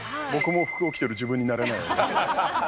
僕も服を着てる自分に慣れないです。